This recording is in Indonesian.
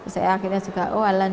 saya akhirnya juga oh alamnya